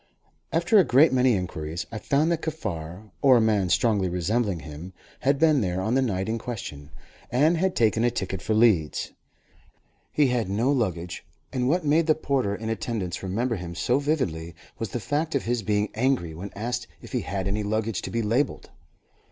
After a great many inquiries, I found that Kaffar, or a man strongly resembling him, had been there on the night in question, and had taken a ticket for Leeds. He had no luggage, and what made the porter in attendance remember him so vividly was the fact of his being angry when asked if he had any luggage to be labelled.